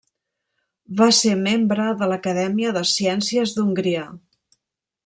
Va ser membre de l'Acadèmia de Ciències d'Hongria.